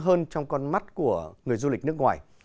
hơn trong con mắt của người du lịch nước ngoài